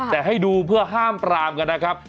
แต่ให้ดูเพื่อห้ามปรามกันนะครับ